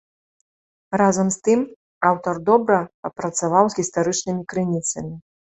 Разам з тым, аўтар добра папрацаваў з гістарычнымі крыніцамі.